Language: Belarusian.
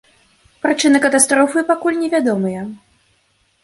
Прычыны катастрофы пакуль невядомыя.